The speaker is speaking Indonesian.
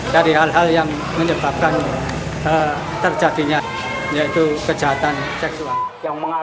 dari hal hal yang menyebabkan terjadinya yaitu kejahatan seksual